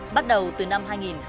bắt đầu từ năm hai nghìn một mươi một